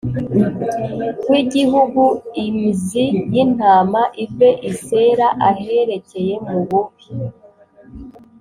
w igihugu im zi y intama ive i Sela aherekeye mu bub